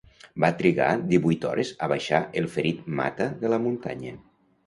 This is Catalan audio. Van trigar divuit hores a baixar el ferit Mata de la muntanya.